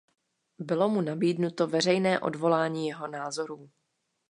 Bylo mu nabídnuto veřejné odvolání jeho názorů.